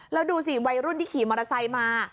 แล้วดูสิวัยรุ่นที่ขี่มอเตอร์ไซค์มา